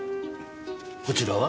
こちらは？